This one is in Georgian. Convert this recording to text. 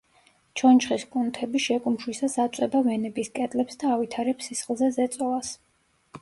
ჩონჩხის კუნთები შეკუმშვისას აწვება ვენების კედლებს და ავითარებს სისხლზე ზეწოლას.